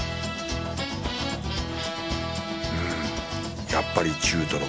うんやっぱり中トロ。